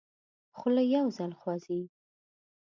خوله یو ځل خوځي.